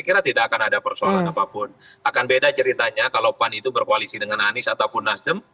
saya kira tidak akan ada persoalan apapun akan beda ceritanya kalau pan itu berkoalisi dengan anies ataupun nasdem